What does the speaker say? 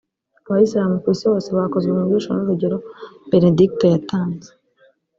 Abayisilamu ku isi hose bakozwe mu jisho n’urugero Benedigito yatanze